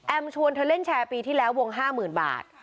แอมชวนเธอเล่นแชร์ปีที่แล้ววงห้าหมื่นบาท